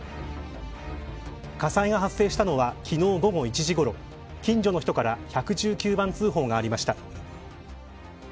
火災が発生したのは昨日午後１時ごろ近所の人から１１９番通報がありました。